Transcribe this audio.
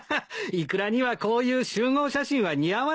イクラにはこういう集合写真は似合わないよ。